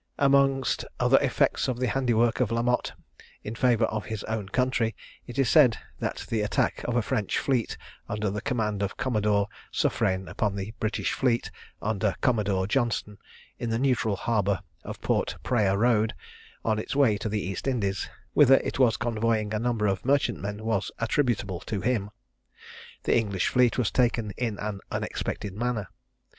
Amongst other effects of the handiwork of La Motte in favour of his own country, it is said that the attack of a French fleet under the command of Commodore Suffrein upon the British fleet under Commodore Johnstone, in the neutral harbour of Port Praya Road, on its way to the East Indies, whither it was convoying a number of merchantmen, was attributable to him. The English fleet was taken in an unexpected manner.